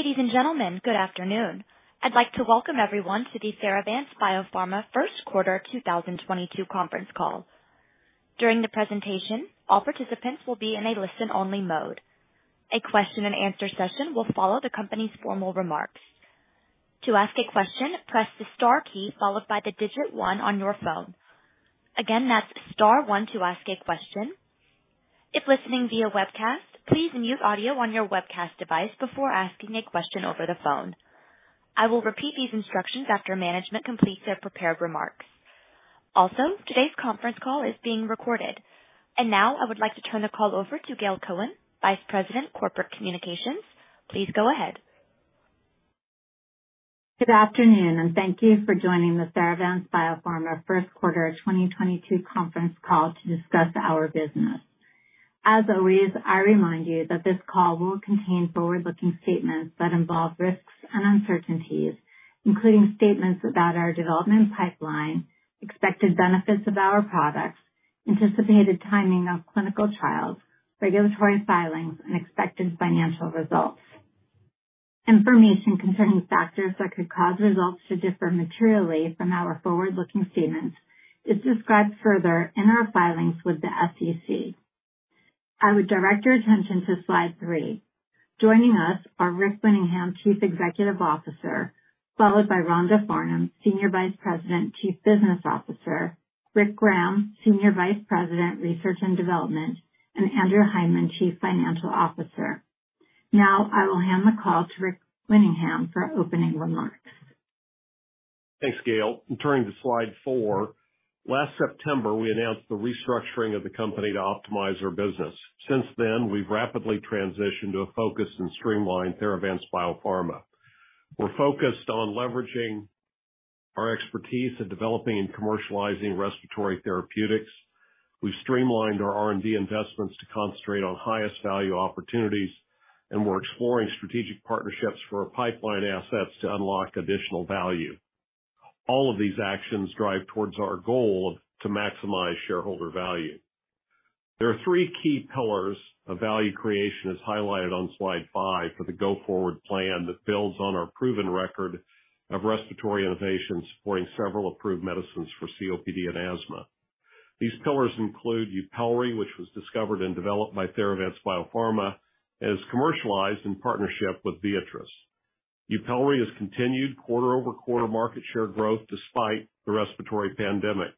Ladies and gentlemen, good afternoon. I'd like to welcome everyone to the Theravance Biopharma Q1 2022 conference call. During the presentation, all participants will be in a listen-only mode. A question-and-answer session will follow the company's formal remarks. To ask a question, press the star key followed by the digit one on your phone. Again, that's star one to ask a question. If listening via webcast, please mute audio on your webcast device before asking a question over the phone. I will repeat these instructions after management completes their prepared remarks. Also, today's conference call is being recorded. Now I would like to turn the call over to Gail Cohen, Vice President, Corporate Communications. Please go ahead. Good afternoon, and thank you for joining the Theravance Biopharma Q1 2022 conference call to discuss our business. As always, I remind you that this call will contain forward-looking statements that involve risks and uncertainties, including statements about our development pipeline, expected benefits of our products, anticipated timing of clinical trials, regulatory filings, and expected financial results. Information concerning factors that could cause results to differ materially from our forward-looking statements is described further in our filings with the SEC. I would direct your attention to slide 3. Joining us are Rick Winningham, Chief Executive Officer, followed by Rhonda Farnum, Senior Vice President, Chief Business Officer, Rick Graham, Senior Vice President, Research and Development, and Andrew Hindman, Chief Financial Officer. Now, I will hand the call to Rick Winningham for opening remarks. Thanks, Gail. Turning to slide four. Last September, we announced the restructuring of the company to optimize our business. Since then, we've rapidly transitioned to a focused and streamlined Theravance Biopharma. We're focused on leveraging our expertise in developing and commercializing respiratory therapeutics. We've streamlined our R&D investments to concentrate on highest value opportunities, and we're exploring strategic partnerships for our pipeline assets to unlock additional value. All of these actions drive towards our goal of to maximize shareholder value. There are three key pillars of value creation, as highlighted on slide five, for the go-forward plan that builds on our proven record of respiratory innovations, supporting several approved medicines for COPD and asthma. These pillars include YUPELRI, which was discovered and developed by Theravance Biopharma, and is commercialized in partnership with Viatris. YUPELRI has continued quarter-over-quarter market share growth despite the respiratory pandemic.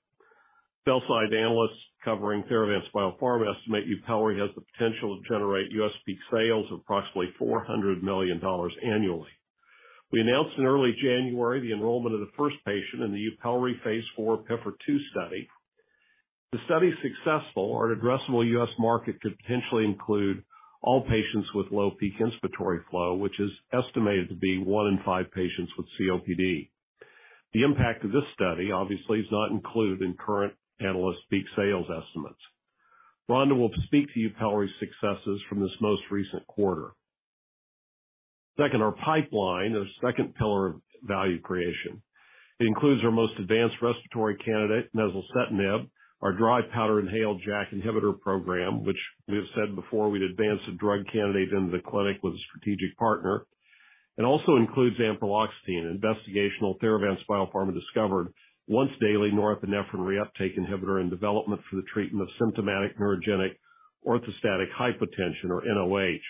Sell-side analysts covering Theravance Biopharma estimate YUPELRI has the potential to generate U.S. peak sales of approximately $400 million annually. We announced in early January the enrollment of the first patient in the YUPELRI phase 4 PIFR-2 study. If the study is successful, our addressable U.S. market could potentially include all patients with low peak inspiratory flow, which is estimated to be one in five patients with COPD. The impact of this study obviously is not included in current analyst peak sales estimates. Rhonda will speak to YUPELRI's successes from this most recent quarter. Second, our pipeline, our second pillar of value creation. It includes our most advanced respiratory candidate, nezulcitinib, our dry powder inhaled JAK inhibitor program, which we have said before we'd advance a drug candidate into the clinic with a strategic partner. It also includes ampreloxetine, an investigational Theravance Biopharma-discovered once-daily norepinephrine reuptake inhibitor in development for the treatment of symptomatic neurogenic orthostatic hypotension or NOH.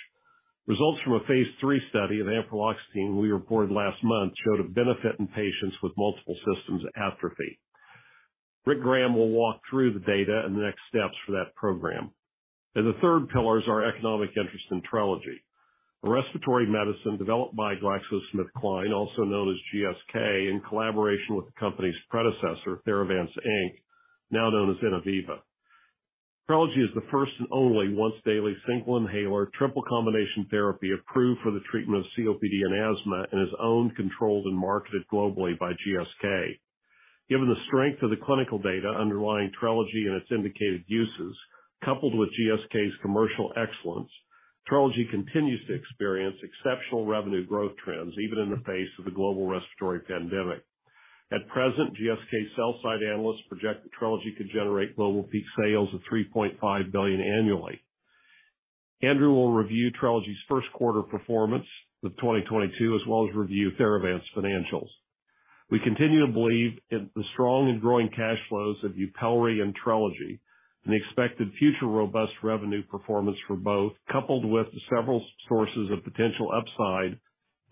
Results from a phase 3 study of ampreloxetine we reported last month showed a benefit in patients with multiple system atrophy. Rick Graham will walk through the data and the next steps for that program. The third pillar is our economic interest in TRELEGY, a respiratory medicine developed by GlaxoSmithKline, also known as GSK, in collaboration with the company's predecessor, Theravance, Inc., now known as Innoviva. TRELEGY is the first and only once-daily single inhaler triple combination therapy approved for the treatment of COPD and asthma and is owned, controlled, and marketed globally by GSK. Given the strength of the clinical data underlying TRELEGY and its indicated uses, coupled with GSK's commercial excellence, TRELEGY continues to experience exceptional revenue growth trends, even in the face of the global respiratory pandemic. At present, GSK sell-side analysts project that TRELEGY could generate global peak sales of $3.5 billion annually. Andrew will review TRELEGY's Q1 performance with 2022 as well as review Theravance financials. We continue to believe that the strong and growing cash flows of YUPELRI and TRELEGY and the expected future robust revenue performance for both, coupled with the several sources of potential upside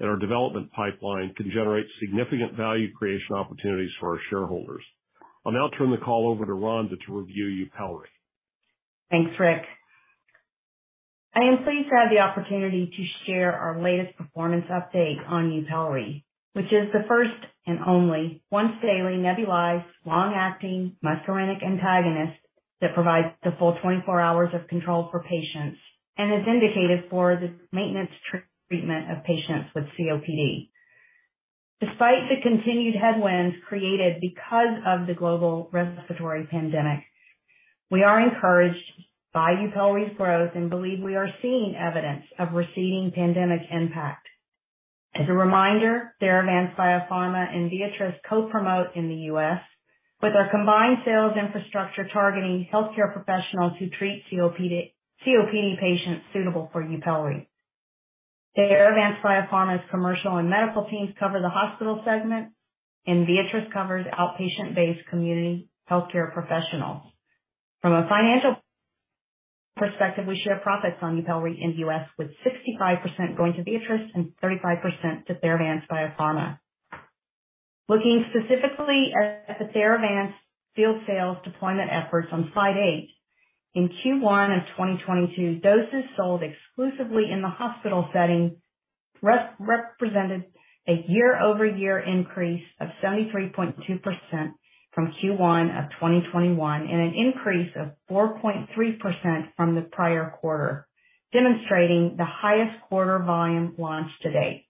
in our development pipeline, can generate significant value creation opportunities for our shareholders. I'll now turn the call over to Rhonda to review YUPELRI. Thanks, Rick. I am pleased to have the opportunity to share our latest performance update on YUPELRI, which is the first and only once-daily nebulized long-acting muscarinic antagonist that provides the full 24 hours of control for patients and is indicated for the maintenance treatment of patients with COPD. Despite the continued headwinds created because of the global respiratory pandemic, we are encouraged by YUPELRI's growth and believe we are seeing evidence of receding pandemic impact. As a reminder, Theravance Biopharma and Viatris co-promote in the U.S. With our combined sales infrastructure targeting healthcare professionals who treat COPD patients suitable for YUPELRI. Theravance Biopharma's commercial and medical teams cover the hospital segment, and Viatris covers outpatient-based community healthcare professionals. From a financial perspective, we share profits on YUPELRI in the U.S., with 65% going to Viatris and 35% to Theravance Biopharma. Looking specifically at the Theravance field sales deployment efforts on slide 8. In Q1 of 2022, doses sold exclusively in the hospital setting represented a year-over-year increase of 73.2% from Q1 of 2021 and an increase of 4.3% from the prior quarter, demonstrating the highest quarter volume launch to date.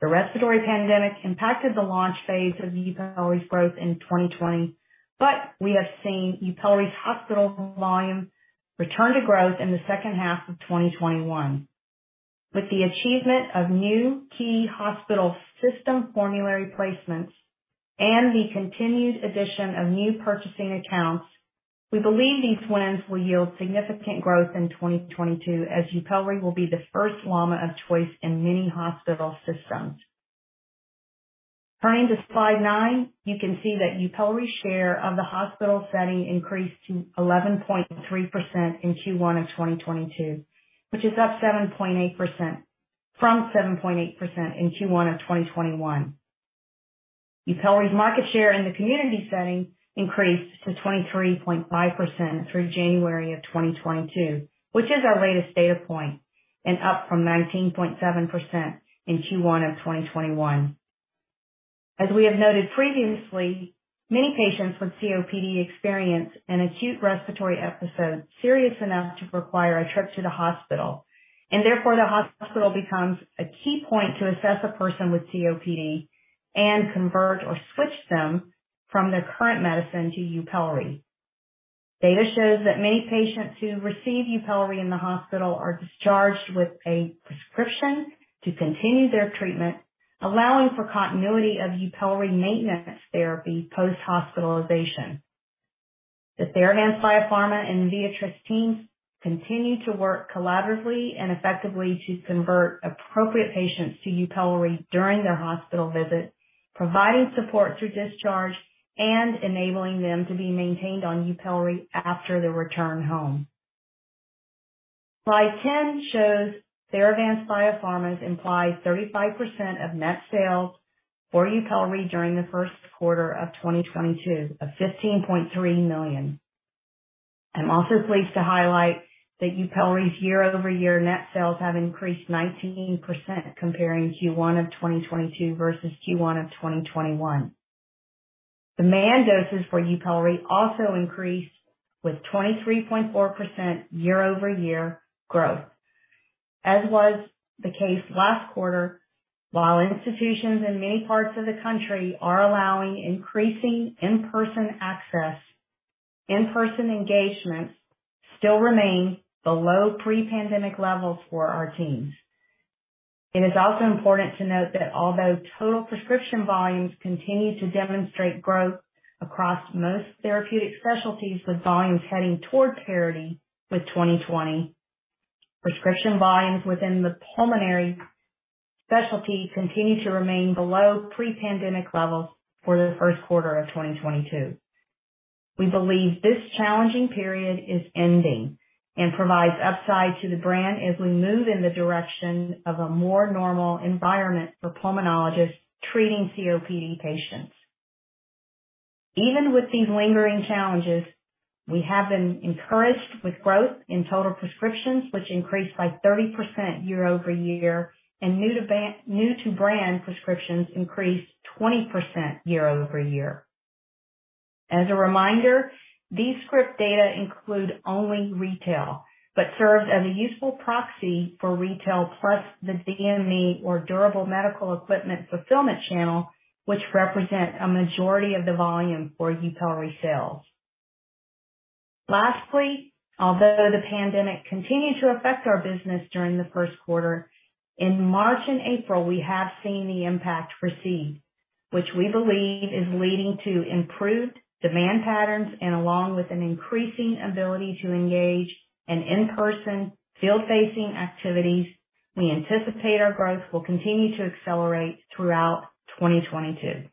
The COVID-19 pandemic impacted the launch phase of YUPELRI's growth in 2020, but we have seen YUPELRI's hospital volume return to growth in the second half of 2021. With the achievement of new key hospital system formulary placements and the continued addition of new purchasing accounts, we believe these wins will yield significant growth in 2022 as YUPELRI will be the first LAMA of choice in many hospital systems. Turning to slide 9, you can see that YUPELRI's share of the hospital setting increased to 11.3% in Q1 of 2022, which is up 7.8% from 7.8% in Q1 of 2021. YUPELRI's market share in the community setting increased to 23.5% through January of 2022, which is our latest data point and up from 19.7% in Q1 of 2021. As we have noted previously, many patients with COPD experience an acute respiratory episode serious enough to require a trip to the hospital, and therefore the hospital becomes a key point to assess a person with COPD and convert or switch them from their current medicine to YUPELRI. Data shows that many patients who receive YUPELRI in the hospital are discharged with a prescription to continue their treatment, allowing for continuity of YUPELRI maintenance therapy post-hospitalization. The Theravance Biopharma and Viatris teams continue to work collaboratively and effectively to convert appropriate patients to YUPELRI during their hospital visit, providing support through discharge and enabling them to be maintained on YUPELRI after the return home. Slide 10 shows Theravance Biopharma's implied 35% of net sales for YUPELRI during the Q1 of 2022 of $15.3 million. I'm also pleased to highlight that YUPELRI's year-over-year net sales have increased 19% comparing Q1 of 2022 versus Q1 of 2021. Demand doses for YUPELRI also increased with 23.4% year-over-year growth. As was the case last quarter, while institutions in many parts of the country are allowing increasing in-person access, in-person engagements still remain below pre-pandemic levels for our teams. It is also important to note that although total prescription volumes continue to demonstrate growth across most therapeutic specialties, with volumes heading toward parity with 2020, prescription volumes within the pulmonary specialty continue to remain below pre-pandemic levels for the Q1 of 2022. We believe this challenging period is ending and provides upside to the brand as we move in the direction of a more normal environment for pulmonologists treating COPD patients. Even with these lingering challenges, we have been encouraged with growth in total prescriptions, which increased by 30% year-over-year, and new-to-brand prescriptions increased 20% year-over-year. As a reminder, these script data include only retail, but serves as a useful proxy for retail, plus the DME or durable medical equipment fulfillment channel, which represent a majority of the volume for YUPELRI sales. Lastly, although the pandemic continued to affect our business during the Q1, in March and April, we have seen the impact recede, which we believe is leading to improved demand patterns and along with an increasing ability to engage in in-person field-facing activities, we anticipate our growth will continue to accelerate throughout 2022.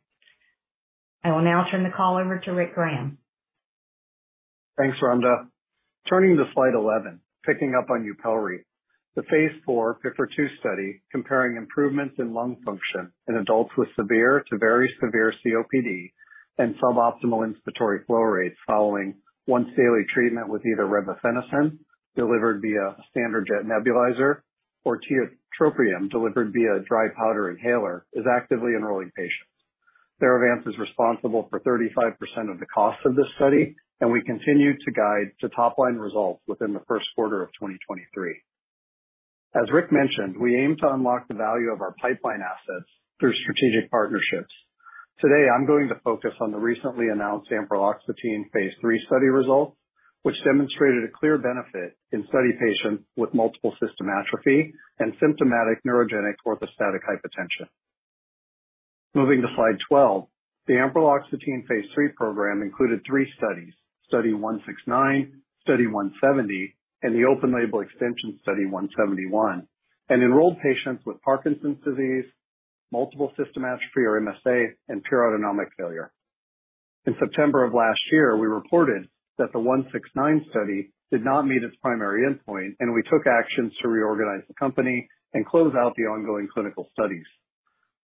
I will now turn the call over to Rick Graham. Thanks, Rhonda. Turning to slide 11. Picking up on YUPELRI. The phase 4 PIFR-2 study comparing improvements in lung function in adults with severe to very severe COPD and suboptimal inspiratory flow rates following once daily treatment with either revefenacin delivered via a standard jet nebulizer or tiotropium delivered via dry powder inhaler is actively enrolling patients. Theravance is responsible for 35% of the cost of this study, and we continue to guide to top line results within the Q1 of 2023. As Rick mentioned, we aim to unlock the value of our pipeline assets through strategic partnerships. Today, I'm going to focus on the recently announced ampreloxetine phase 3 study results, which demonstrated a clear benefit in study patients with multiple system atrophy and symptomatic neurogenic orthostatic hypotension. Moving to slide 12. The ampreloxetine phase 3 program included three studies. Study 169, Study 170, and the open-label extension Study 171 enrolled patients with Parkinson's disease, multiple system atrophy or MSA, and pure autonomic failure. In September of last year, we reported that the 169 study did not meet its primary endpoint, and we took actions to reorganize the company and close out the ongoing clinical studies.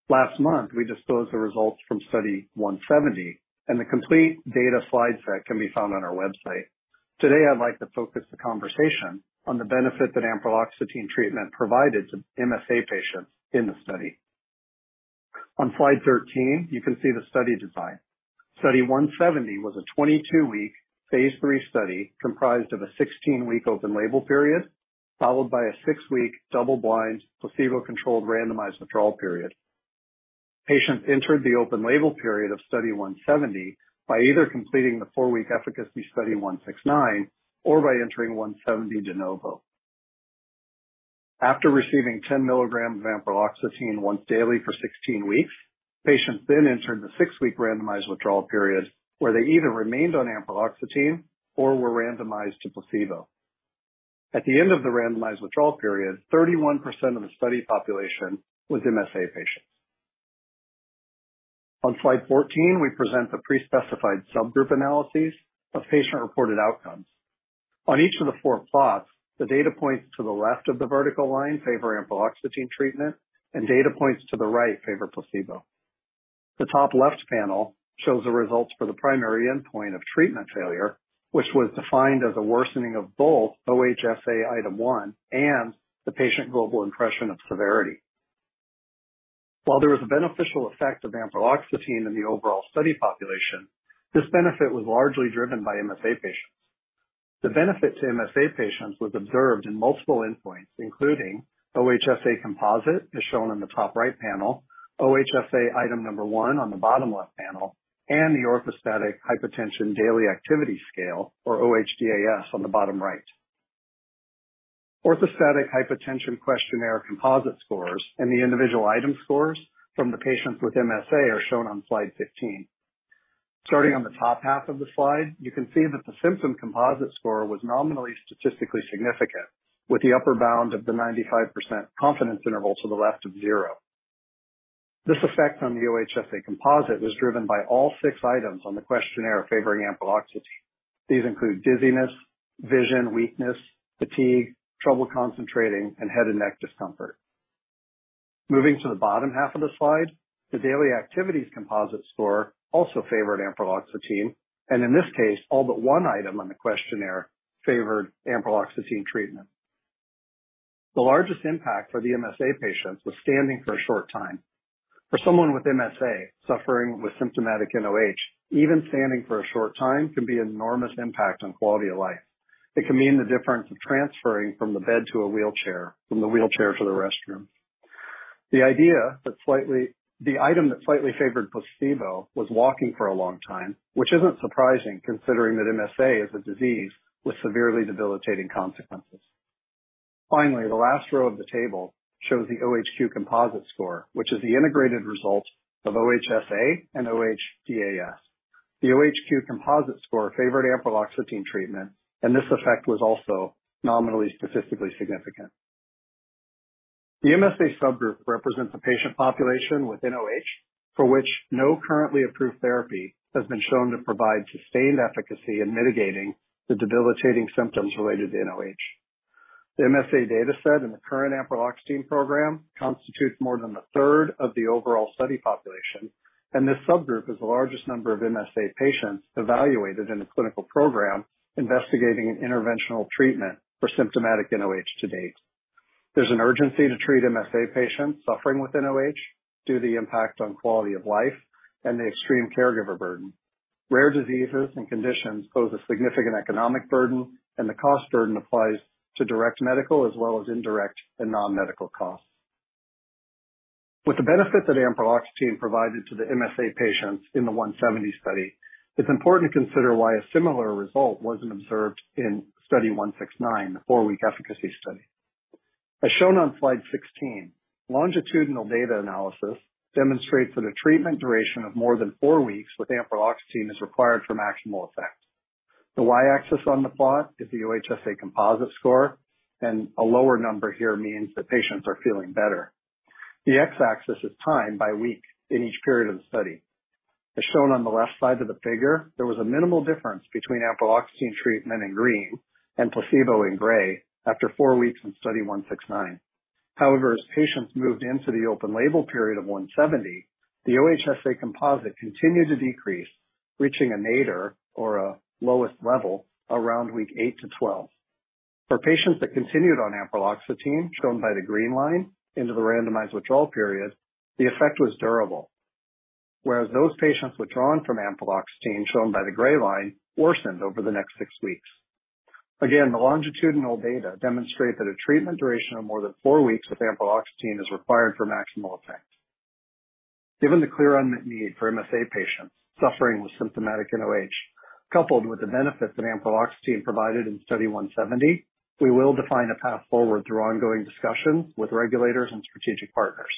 Last month, we disclosed the results from Study 170 and the complete data slide set can be found on our website. Today, I'd like to focus the conversation on the benefit that ampreloxetine treatment provided to MSA patients in the study. On Slide 13, you can see the study design. Study 170 was a 22-week phase 3 study comprised of a 16-week open label period, followed by a 6-week double-blind, placebo-controlled randomized withdrawal period. Patients entered the open label period of study 170 by either completing the 4-week efficacy study 169 or by entering 170 de novo. After receiving 10 mg of ampreloxetine once daily for 16 weeks, patients then entered the 6-week randomized withdrawal period, where they either remained on ampreloxetine or were randomized to placebo. At the end of the randomized withdrawal period, 31% of the study population was MSA patients. On Slide 14, we present the pre-specified subgroup analyses of patient-reported outcomes. On each of the four plots, the data points to the left of the vertical line favor ampreloxetine treatment and data points to the right favor placebo. The top left panel shows the results for the primary endpoint of treatment failure, which was defined as a worsening of both OHSA item 1 and the Patient Global Impression of Severity. While there was a beneficial effect of ampreloxetine in the overall study population, this benefit was largely driven by MSA patients. The benefit to MSA patients was observed in multiple endpoints, including OHSA composite, as shown in the top right panel, OHSA item number 1 on the bottom left panel, and the Orthostatic Hypotension Daily Activity Scale, or OHDAS on the bottom right. Orthostatic hypotension questionnaire composite scores, and the individual item scores from the patients with MSA are shown on Slide 15. Starting on the top half of the slide, you can see that the symptom composite score was nominally statistically significant, with the upper bound of the 95% confidence interval to the left of zero. This effect on the OHSA composite was driven by all six items on the questionnaire favoring ampreloxetine. These include dizziness, vision, weakness, fatigue, trouble concentrating, and head and neck discomfort. Moving to the bottom half of the slide, the daily activities composite score also favored ampreloxetine, and in this case, all but one item on the questionnaire favored ampreloxetine treatment. The largest impact for the MSA patients was standing for a short time. For someone with MSA suffering with symptomatic nOH, even standing for a short time can be an enormous impact on quality of life. It can mean the difference of transferring from the bed to a wheelchair, from the wheelchair to the restroom. The idea that the item that slightly favored placebo was walking for a long time, which isn't surprising considering that MSA is a disease with severely debilitating consequences. Finally, the last row of the table shows the OHQ composite score, which is the integrated result of OHSA and OHDAS. The OHQ composite score favored ampreloxetine treatment, and this effect was also nominally statistically significant. The MSA subgroup represents a patient population with nOH for which no currently approved therapy has been shown to provide sustained efficacy in mitigating the debilitating symptoms related to nOH. The MSA dataset in the current ampreloxetine program constitutes more than a third of the overall study population, and this subgroup is the largest number of MSA patients evaluated in a clinical program investigating an interventional treatment for symptomatic nOH to date. There's an urgency to treat MSA patients suffering with nOH due to the impact on quality of life and the extreme caregiver burden. Rare diseases and conditions pose a significant economic burden, and the cost burden applies to direct medical as well as indirect and non-medical costs. With the benefit that ampreloxetine provided to the MSA patients in the 170 study, it's important to consider why a similar result wasn't observed in study 169, the four-week efficacy study. As shown on Slide 16, longitudinal data analysis demonstrates that a treatment duration of more than four weeks with ampreloxetine is required for maximal effect. The y-axis on the plot is the OHSA composite score, and a lower number here means that patients are feeling better. The x-axis is time by week in each period of the study. As shown on the left side of the figure, there was a minimal difference between ampreloxetine treatment in green and placebo in gray after four weeks in study 169. However, as patients moved into the open label period of 170, the OHSA composite continued to decrease, reaching a nadir or a lowest level around week 8-12. For patients that continued on ampreloxetine, shown by the green line, into the randomized withdrawal period, the effect was durable, whereas those patients withdrawn from ampreloxetine, shown by the gray line, worsened over the next six weeks. Again, the longitudinal data demonstrate that a treatment duration of more than 4 weeks with ampreloxetine is required for maximal effect. Given the clear unmet need for MSA patients suffering with symptomatic NOH, coupled with the benefits that ampreloxetine provided in study 170, we will define a path forward through ongoing discussions with regulators and strategic partners.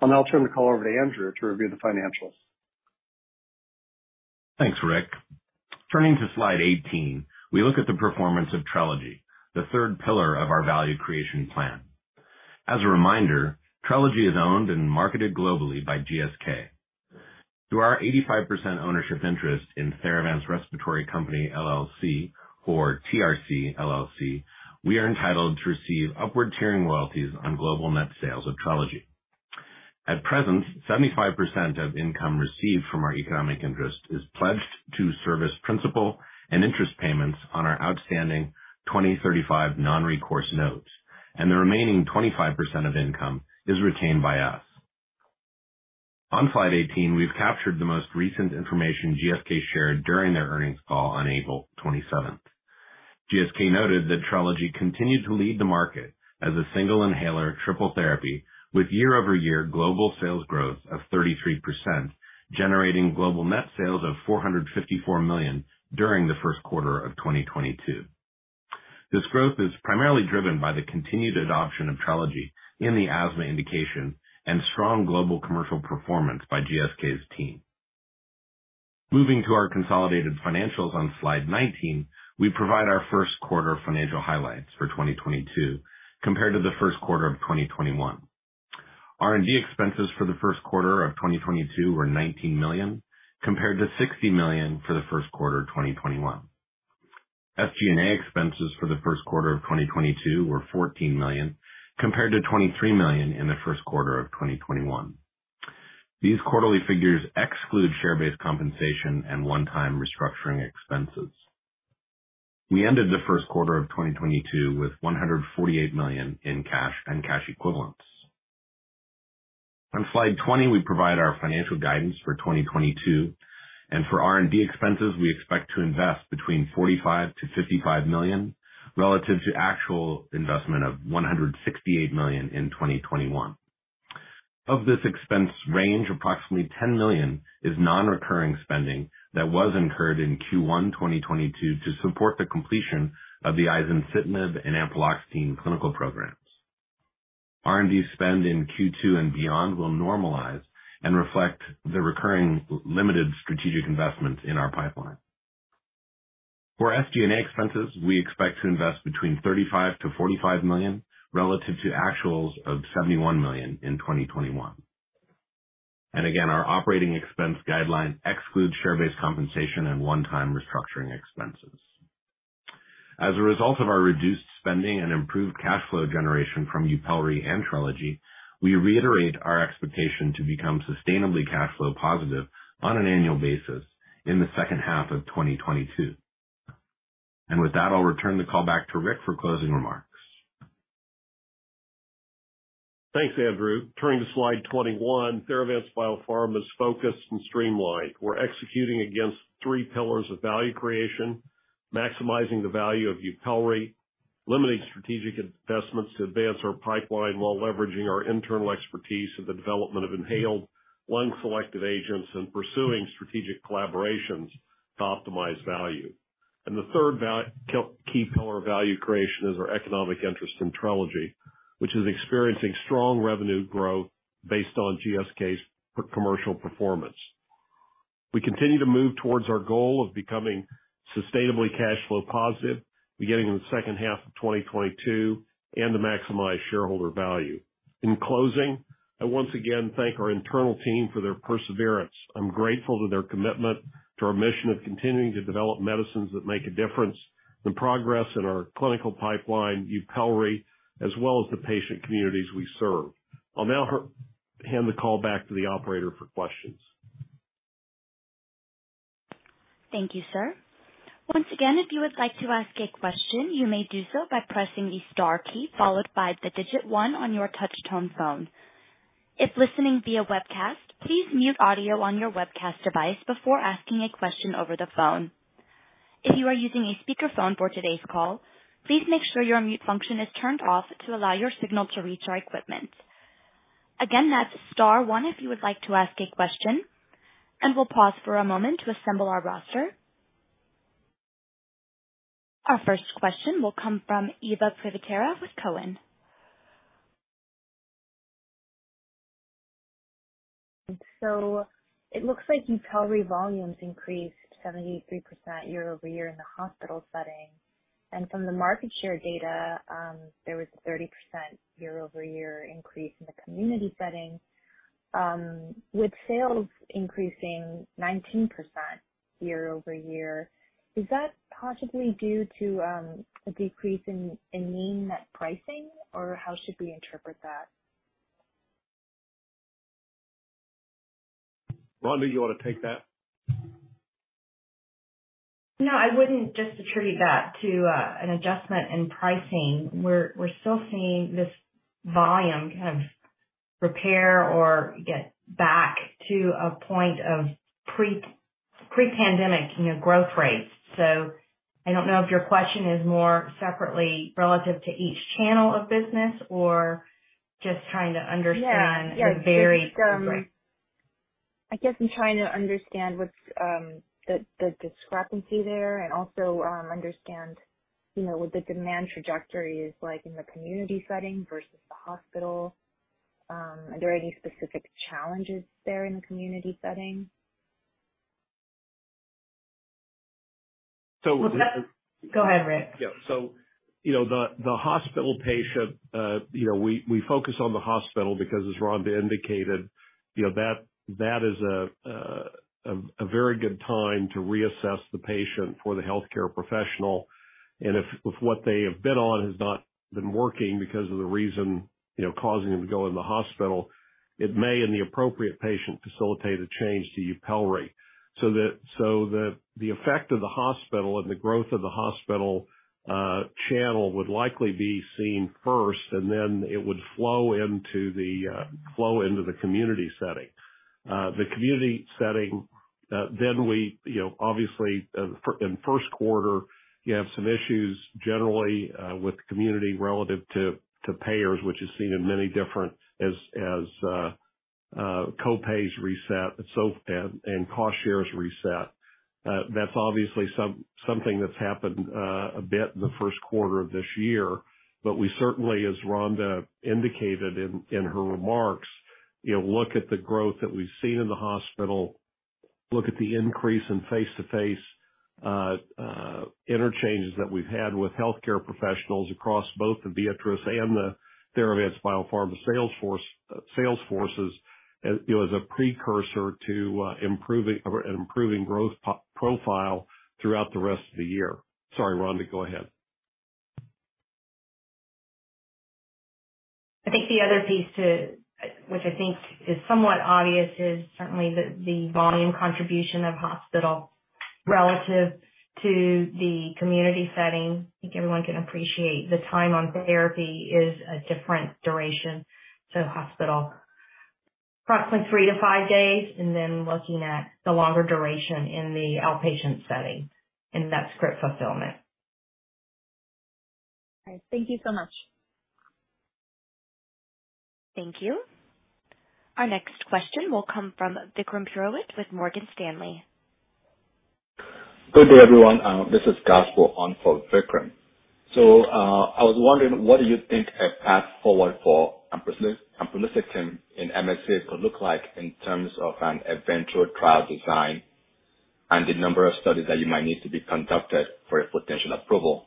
I'll now turn the call over to Andrew to review the financials. Thanks, Rick. Turning to slide 18, we look at the performance of TRELEGY, the third pillar of our value creation plan. As a reminder, TRELEGY is owned and marketed globally by GSK. Through our 85% ownership interest in Theravance Respiratory Company LLC or TRC LLC, we are entitled to receive upward tiering royalties on global net sales of TRELEGY. At present, 75% of income received from our economic interest is pledged to service principal and interest payments on our outstanding 2035 non-recourse notes, and the remaining 25% of income is retained by us. On slide 18, we've captured the most recent information GSK shared during their earnings call on April 27. GSK noted that TRELEGY continued to lead the market as a single inhaler triple therapy with year-over-year global sales growth of 33%, generating global net sales of $454 million during the Q1 of 2022. This growth is primarily driven by the continued adoption of TRELEGY in the asthma indication and strong global commercial performance by GSK's team. Moving to our consolidated financials on slide 19, we provide our Q1 financial highlights for 2022 compared to the Q1 of 2021. R&D expenses for the Q1 of 2022 were $19 million, compared to $60 million for the Q1 of 2021. SG&A expenses for the Q1 of 2022 were $14 million, compared to $23 million in the Q1 of 2021. These quarterly figures exclude share-based compensation and one-time restructuring expenses. We ended the Q1 of 2022 with $148 million in cash and cash equivalents. On slide 20, we provide our financial guidance for 2022, and for R&D expenses, we expect to invest between $45 million-$55 million relative to actual investment of $168 million in 2021. Of this expense range, approximately $10 million is non-recurring spending that was incurred in Q1 2022 to support the completion of the izencitinib and ampreloxetine clinical programs. R&D spend in Q2 and beyond will normalize and reflect the recurring limited strategic investments in our pipeline. For SG&A expenses, we expect to invest between $35 million-$45 million relative to actuals of $71 million in 2021. Again, our operating expense guideline excludes share-based compensation and one-time restructuring expenses. As a result of our reduced spending and improved cash flow generation from YUPELRI and TRELEGY, we reiterate our expectation to become sustainably cash flow positive on an annual basis in the second half of 2022. With that, I'll return the call back to Rick for closing remarks. Thanks, Andrew. Turning to slide 21, Theravance Biopharma is focused and streamlined. We're executing against three pillars of value creation, maximizing the value of YUPELRI, limiting strategic investments to advance our pipeline while leveraging our internal expertise in the development of inhaled long-selected agents and pursuing strategic collaborations to optimize value. The third key pillar of value creation is our economic interest in TRELEGY, which is experiencing strong revenue growth based on GSK's commercial performance. We continue to move towards our goal of becoming sustainably cash flow positive beginning in the second half of 2022 and to maximize shareholder value. In closing, I once again thank our internal team for their perseverance. I'm grateful to their commitment to our mission of continuing to develop medicines that make a difference, the progress in our clinical pipeline, YUPELRI, as well as the patient communities we serve. I'll now hand the call back to the operator for questions. Thank you, sir. Once again, if you would like to ask a question, you may do so by pressing the star key followed by the digit one on your touch tone phone. If listening via webcast, please mute audio on your webcast device before asking a question over the phone. If you are using a speakerphone for today's call, please make sure your mute function is turned off to allow your signal to reach our equipment. Again, that's star one if you would like to ask a question, and we'll pause for a moment to assemble our roster. Our first question will come from Eva Privitera with Cowen. It looks like YUPELRI volumes increased 73% year-over-year in the hospital setting. From the market share data, there was a 30% year-over-year increase in the community setting. With sales increasing 19% year-over-year, is that possibly due to a decrease in mean net pricing, or how should we interpret that? Rhonda, do you want to take that? No, I wouldn't just attribute that to an adjustment in pricing. We're still seeing this volume kind of repair or get back to a point of pre- Pre-pandemic, you know, growth rates. I don't know if your question is more separately relative to each channel of business or just trying to understand. Yeah. -the very. I guess I'm trying to understand what's the discrepancy there and also understand, you know, what the demand trajectory is like in the community setting versus the hospital. Are there any specific challenges there in the community setting? Go ahead, Rick. Yeah. You know, the hospital patient, you know, we focus on the hospital because as Rhonda indicated, you know, that is a very good time to reassess the patient for the healthcare professional. If what they have been on has not been working because of the reason, you know, causing them to go in the hospital, it may, in the appropriate patient, facilitate a change to YUPELRI. That the effect of the hospital and the growth of the hospital channel would likely be seen first, and then it would flow into the community setting. The community setting, then we, you know, obviously, in Q1, you have some issues generally, with community relative to payers, which is seen in many different areas as copays reset, so and cost shares reset. That's obviously something that's happened a bit in the Q1 of this year. We certainly, as Rhonda indicated in her remarks, you know, look at the growth that we've seen in the hospital, look at the increase in face-to-face interchanges that we've had with healthcare professionals across both the Viatris and the Theravance Biopharma sales forces, you know, as a precursor to improving growth profile throughout the rest of the year. Sorry, Rhonda, go ahead. I think the other piece to which I think is somewhat obvious is certainly the volume contribution of hospital relative to the community setting. I think everyone can appreciate the time on therapy is a different duration in hospital. Approximately 3-5 days, and then looking at the longer duration in the outpatient setting in that script fulfillment. All right. Thank you so much. Thank you. Our next question will come from Vikram Purohit with Morgan Stanley. Good day, everyone. This is Gospel on for Vikram. I was wondering, what do you think a path forward for ampreloxetine in MSA could look like in terms of an eventual trial design and the number of studies that you might need to be conducted for a potential approval?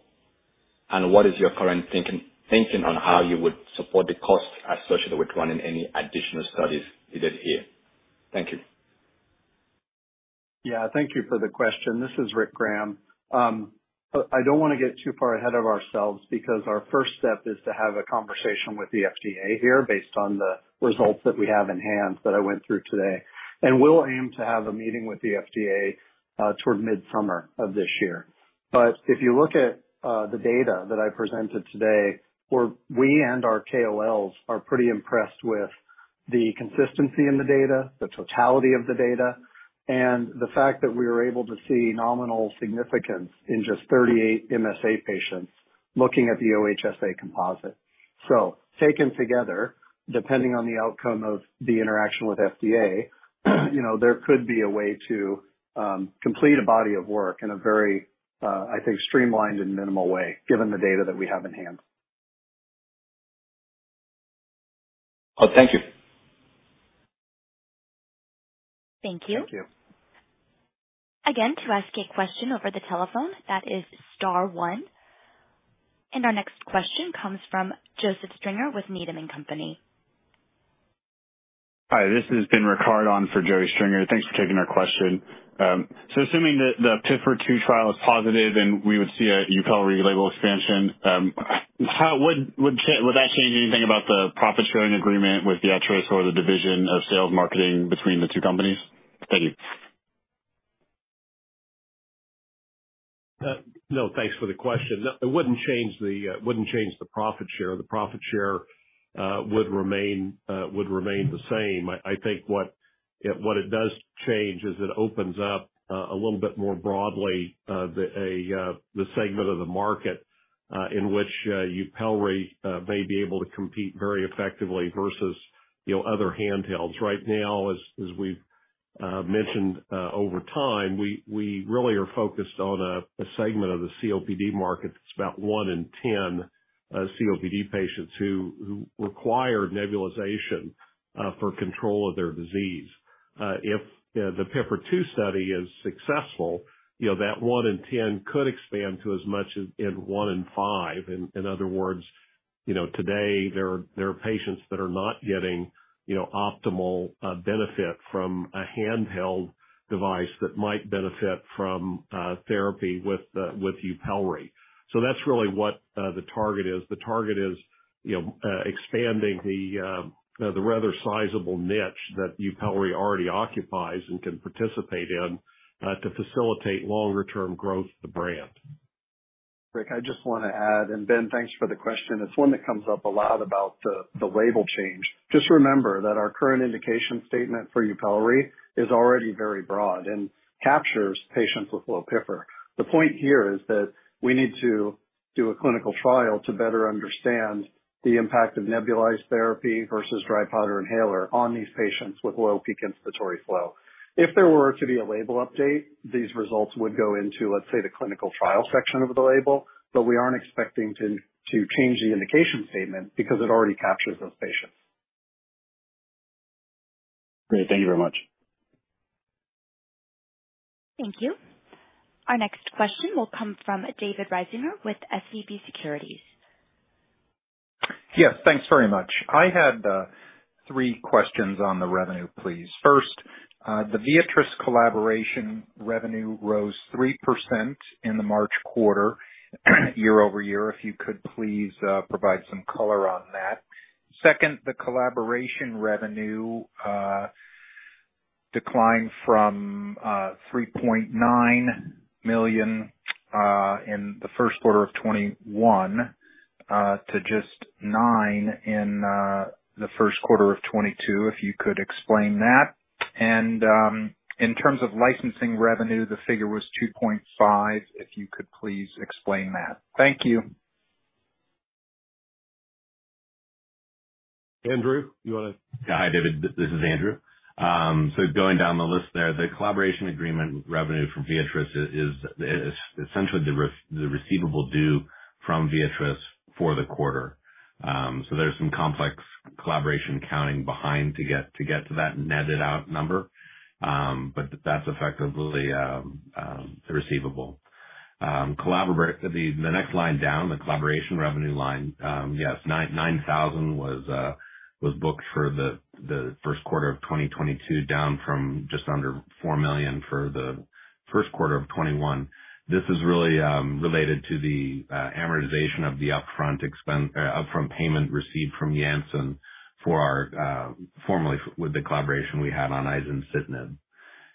What is your current thinking on how you would support the costs associated with running any additional studies needed here? Thank you. Yeah, thank you for the question. This is Rick Graham. I don't wanna get too far ahead of ourselves because our first step is to have a conversation with the FDA here based on the results that we have in hand that I went through today. We'll aim to have a meeting with the FDA toward mid-summer of this year. If you look at the data that I presented today, we and our KOLs are pretty impressed with the consistency in the data, the totality of the data, and the fact that we were able to see nominal significance in just 38 MSA patients looking at the OHSA composite. Taken together, depending on the outcome of the interaction with FDA, you know, there could be a way to complete a body of work in a very, I think, streamlined and minimal way, given the data that we have in hand. Oh, thank you. Thank you. Thank you. Again, to ask a question over the telephone, that is star one. Our next question comes from Joseph Stringer with Needham & Company. Hi, this is Ben Rickard on for Joseph Stringer. Thanks for taking our question. Assuming that the PIFR-2 trial is positive and we would see a YUPELRI label expansion, how would that change anything about the profit sharing agreement with Viatris or the division of sales marketing between the two companies? Thank you. No, thanks for the question. No, it wouldn't change the profit share. The profit share would remain the same. I think what it does change is it opens up a little bit more broadly the segment of the market in which YUPELRI may be able to compete very effectively versus, you know, other handhelds. Right now, as we've mentioned over time, we really are focused on a segment of the COPD market that's about 1 in 10 COPD patients who require nebulization for control of their disease. If the PIFR-2 study is successful, you know, that 1 in 10 could expand to as much as 1 in 5. In other words, you know, today there are patients that are not getting, you know, optimal benefit from a handheld device that might benefit from therapy with YUPELRI. So that's really what the target is. The target is, you know, expanding the rather sizable niche that YUPELRI already occupies and can participate in to facilitate longer term growth of the brand. Rick, I just wanna add, and Ben, thanks for the question. It's one that comes up a lot about the label change. Just remember that our current indication statement for YUPELRI is already very broad and captures patients with low PIFR. The point here is that we need to do a clinical trial to better understand the impact of nebulized therapy versus dry powder inhaler on these patients with low peak inspiratory flow. If there were to be a label update, these results would go into, let's say, the clinical trial section of the label, but we aren't expecting to change the indication statement because it already captures those patients. Great. Thank you very much. Thank you. Our next question will come from David Risinger with SVB Securities. Yes, thanks very much. I had three questions on the revenue, please. First, the Viatris collaboration revenue rose 3% in the March quarter year-over-year. If you could please provide some color on that. Second, the collaboration revenue declined from $3.9 million in the Q1 of 2021 to just $0.9 million in the Q1 of 2022. If you could explain that. In terms of licensing revenue, the figure was $2.5. If you could please explain that. Thank you. Andrew, you wanna Yeah. Hi, David. This is Andrew. So going down the list there. The collaboration agreement revenue from Viatris is essentially the receivable due from Viatris for the quarter. So there's some complex collaboration accounting behind to get to that netted out number. But that's effectively the receivable. The next line down, the collaboration revenue line. Yes. $9,000 was booked for the Q1 of 2022, down from just under $4 million for the Q1 of 2021. This is really related to the amortization of the upfront payment received from Janssen for the collaboration we had on izencitinib.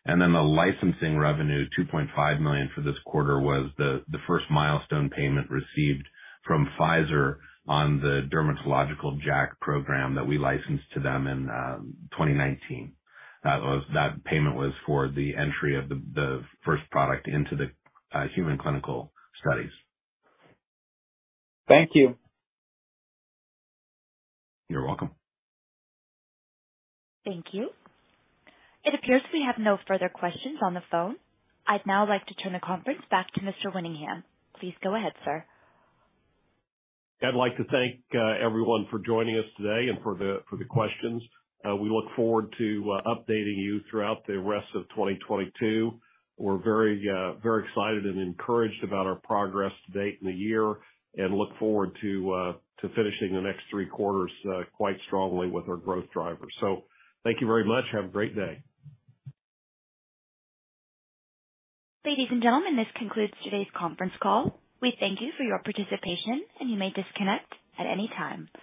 The licensing revenue, $2.5 million for this quarter, was the first milestone payment received from Pfizer on the dermatological JAK program that we licensed to them in 2019. That payment was for the entry of the first product into the human clinical studies. Thank you. You're welcome. Thank you. It appears we have no further questions on the phone. I'd now like to turn the conference back to Mr. Winningham. Please go ahead, sir. I'd like to thank everyone for joining us today and for the questions. We look forward to updating you throughout the rest of 2022. We're very excited and encouraged about our progress to date in the year, and look forward to finishing the next three quarters quite strongly with our growth drivers. Thank you very much. Have a great day. Ladies and gentlemen, this concludes today's conference call. We thank you for your participation, and you may disconnect at any time.